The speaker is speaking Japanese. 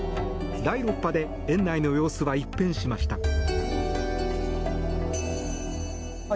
第６波で園内の様子は一変しました。